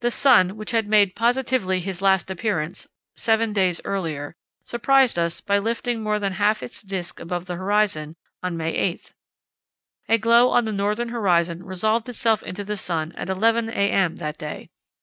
The sun, which had made "positively his last appearance" seven days earlier, surprised us by lifting more than half its disk above the horizon on May 8. A glow on the northern horizon resolved itself into the sun at 11 a.m. that day.